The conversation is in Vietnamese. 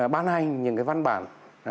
ban hành những cái văn bản